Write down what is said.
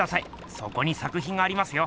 そこに作品がありますよ。